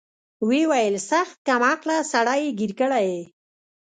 ويې ويل سخت کم عقله سړى يې ګير کړى يې.